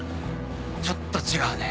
ちょっと違うね。